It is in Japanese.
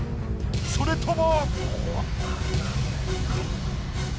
それとも？